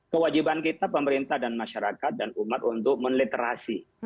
kewajiban kita pemerintah dan masyarakat dan umat untuk meneterasi